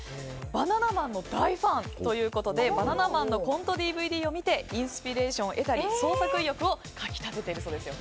バナナマンの大ファンということでバナナマンのコントＤＶＤを見てインスピレーションを得たり創作意欲をかき立てているそうですよ。